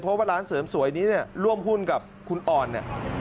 เพราะว่าร้านเสริมสวยนี้เนี่ยร่วมหุ้นกับคุณออนเนี่ย